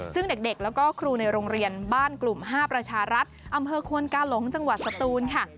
ซึ่งเด็กแล้วก็ครูในโรงเรียนบ้านกลุ่ม๕ประชารัฐอำเภอควนกาหลงจังหวัดสตูนค่ะ